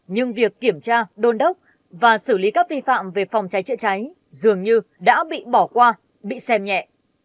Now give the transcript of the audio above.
nhưng việc kiểm tra đôn đốc và xử lý các vi phạm về phòng cháy chữa cháy dường như đã bị bỏ qua bị xem nhẹ